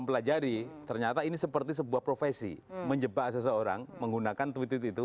pelajari ternyata ini seperti sebuah profesi menjebak seseorang menggunakan tweet tweet itu